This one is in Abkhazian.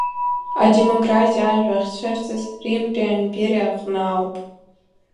Адемократиа ажәа ахьцәырҵыз Римтәи аимпериа аҟны ауп.